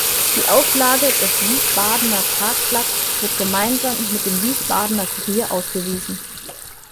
Die Auflage des "Wiesbadener Tagblatts" wird gemeinsam mit dem "Wiesbadener Kurier" ausgewiesen.